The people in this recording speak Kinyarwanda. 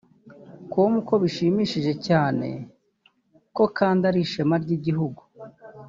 com ko bishimishije cyane ko kandi ari ishema ry’igihugu